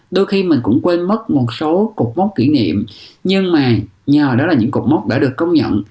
đôi khi mình cũng quên mất một số cục móc kỷ niệm nhưng mà nhờ đó là những cục móc đã được công nhận